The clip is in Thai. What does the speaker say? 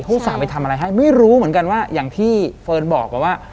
อุตส่าห์ไปทำอะไรให้ไม่รู้เหมือนกันว่าอย่างที่เฟิร์นบอกไปว่า